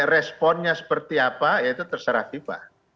responnya seperti apa ya itu terserah viva